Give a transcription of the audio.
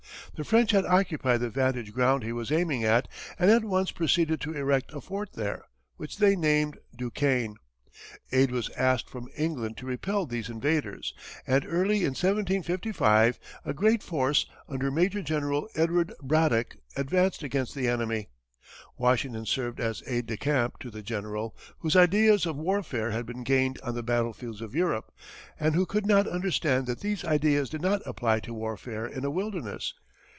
The French had occupied the vantage ground he was aiming at and at once proceeded to erect a fort there, which they named Duquesne. Aid was asked from England to repel these invaders, and early in 1755, a great force under Major General Edward Braddock advanced against the enemy. Washington served as aide de camp to the general, whose ideas of warfare had been gained on the battlefields of Europe, and who could not understand that these ideas did not apply to warfare in a wilderness.